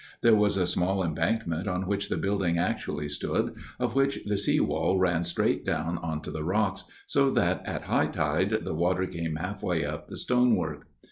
There was a small embankment on which the building actually stood, of which the sea wall ran straight down on to the rocks, so that at high tide the water came half way up the stonework.